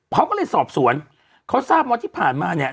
เขาก็เลยสอบสวนเขาทราบว่าที่ผ่านมาเนี่ย